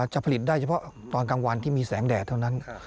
จะผลิตได้เฉพาะตอนกลางวันที่มีแสงแดดเท่านั้น